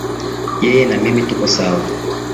Yeye na mimi tuko sawa